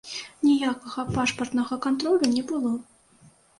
Ніякага пашпартнага кантролю не было.